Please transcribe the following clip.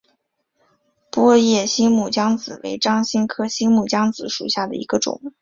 波叶新木姜子为樟科新木姜子属下的一个种。